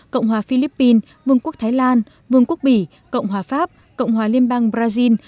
cộng hòa philippines mương quốc thái lan mương quốc bỉ cộng hòa pháp cộng hòa liên bang brazil